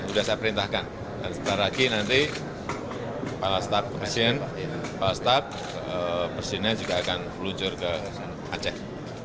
sudah saya perintahkan dan setelah lagi nanti kepala staf kepresidenan juga akan meluncur ke aceh